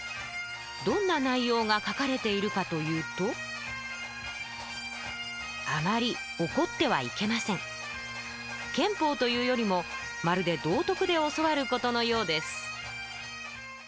どんな内容が書かれているかというと憲法というよりもまるで道徳で教わることのようです